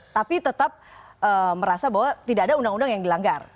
tapi tetap merasa bahwa tidak ada undang undang yang dilanggar